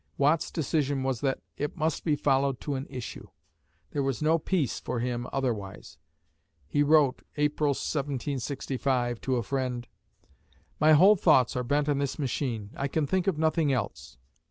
Watt's decision was that "it must be followed to an issue." There was no peace for him otherwise. He wrote (April, 1765) to a friend, "My whole thoughts are bent on this machine. I can think of nothing else."